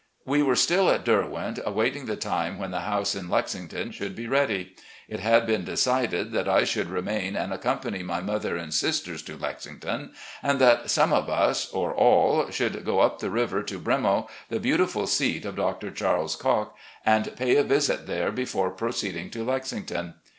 We were still at " Derwent," awaiting the time when the house in Lexington should be ready. It had been decided that I should remain and accompany my mother and sisters to Lexington, and that some of us, or all, should go up the river to "Bremo," the beautiful seat of Dr. Charles Cocke, and pay a visit there before proceeding to Lexington.